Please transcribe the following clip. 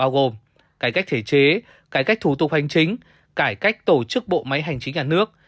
gồm cải cách thể chế cải cách thủ tục hành chính cải cách tổ chức bộ máy hành chính nhà nước